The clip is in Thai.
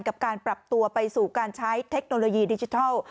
กับการปรับตัวไปสู่การใช้เทคโนโลยีดิจิทัล